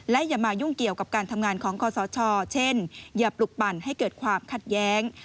และอย่ามายุ่งเกี่ยวกับการทำงานของคอสชเช่นอย่าปลุกปั่นให้เกิดความขัดแย้ง